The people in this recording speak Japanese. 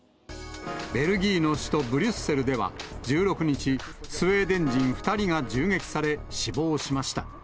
ベルギーの首都ブリュッセルでは、１６日、スウェーデン人２人が銃撃され死亡しました。